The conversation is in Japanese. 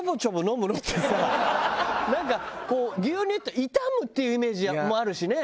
なんかこう牛乳って傷むっていうイメージもあるしね。